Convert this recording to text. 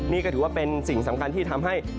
นี่ก็ถือว่าเป็นสิ่งสำคัญที่ทำให้